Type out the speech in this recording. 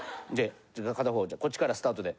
「片方こっちからスタートで。